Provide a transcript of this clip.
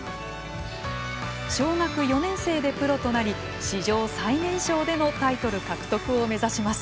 小学４年生でプロとなり史上最年少でのタイトル獲得を目指します。